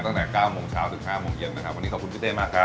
ตั้งแต่๙โมงเช้าถึง๕โมงเย็นนะครับวันนี้ขอบคุณพี่เต้มากครับ